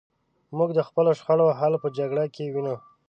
موږ د خپلو شخړو حل په جګړو کې وینو.